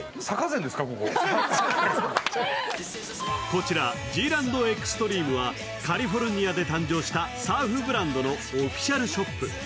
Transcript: こちらＧ−ＬＡＮＤＥＸＴＲＥＭＥはカリフォルニアで誕生したサーフブランドのオフィシャルショップ。